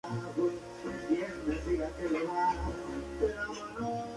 Miracle sin embargo, se le dejó escapar.